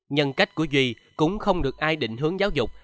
nhân cách của duy cũng không được ai định hướng giáo dục